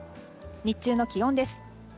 日中の気温です。